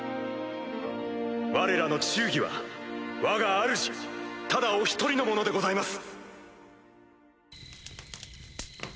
われらの忠義はわがあるじただお一人のものでございます！